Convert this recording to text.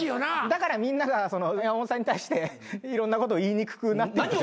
だからみんなが山本さんに対していろんなこと言いにくくなって。